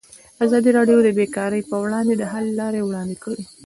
ازادي راډیو د بیکاري پر وړاندې د حل لارې وړاندې کړي.